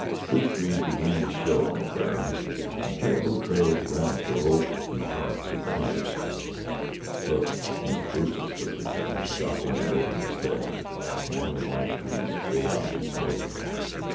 Spruce trees began to show on the barrens and caribou trails roused hope in the hearts of the hunters. "Look in the spruces," whispered Jones, dropping the rope of his sled. Among the black trees gray objects moved.